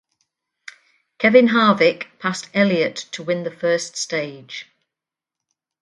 Kevin Harvick passed Elliott to win the first stage.